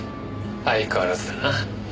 相変わらずだな。